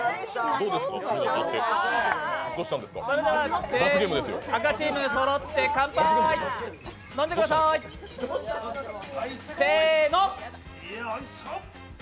それでは全員赤チームそろって乾杯飲んでください、せーの。